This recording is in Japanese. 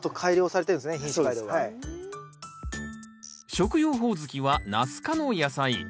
食用ホオズキはナス科の野菜。